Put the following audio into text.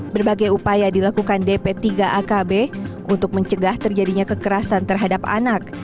berbagai upaya dilakukan dp tiga akb untuk mencegah terjadinya kekerasan terhadap anak